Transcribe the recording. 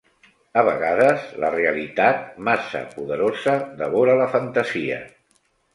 A vegades, la realitat, massa poderosa, devora la fantasia.